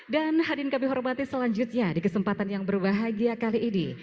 dan hadirin kami hormati selanjutnya di kesempatan yang berbahagia kali ini